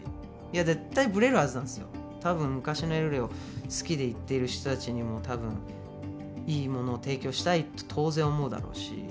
多分昔のエルレを好きでいっている人たちにも多分いいものを提供したいと当然思うだろうし。